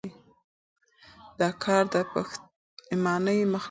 دا کار د پښېمانۍ مخنیوی کوي.